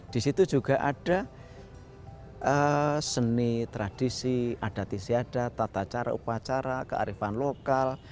di situ juga ada seni tradisi adat istiadat tata cara upacara kearifan lokal